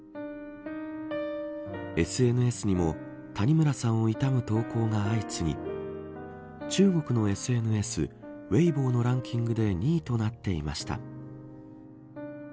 ＳＮＳにも谷村さんを悼む投稿が相次ぎ中国のＳＮＳウェイボのランキングで２位となっていました。